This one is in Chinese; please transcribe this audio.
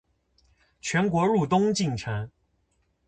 全国入冬进程